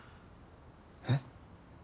えっ？